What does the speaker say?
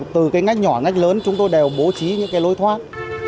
từ cái ngách nhỏ ngách lớn chúng tôi đều bố trí những cái lối thoát